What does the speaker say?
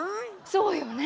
そうよね。